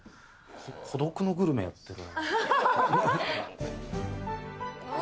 孤独のグルメやってるわ。